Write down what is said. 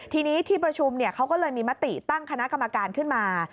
ทีนี้ที่ประชุมเขาก็เลยมีมติตั้งคณะกรรมการขึ้นมา